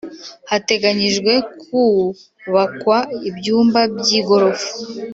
Hateganyijwe kubakwa ibyumba by igorofa